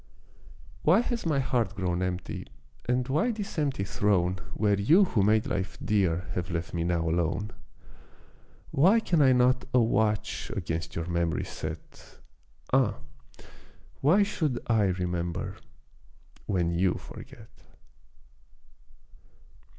Why has my heart grown empty and why this empty throne Where you who made life dear have left me now alone? Why can I not a watch against your mem'ry set? Ah, why should I remember when you forget!